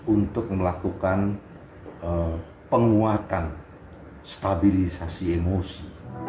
untuk melakukan penguatan stabilisasi emosi